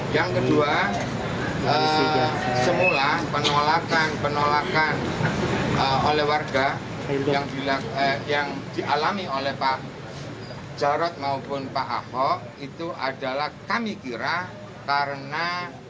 yang kedua semula penolakan penolakan oleh warga yang dialami oleh pak jarod maupun pak ahok itu adalah kami kira karena